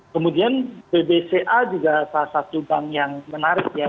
kemudian bbca juga salah satu bank yang menarik ya